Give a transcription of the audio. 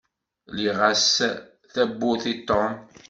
Lliɣ-as-d tawwurt i Tom.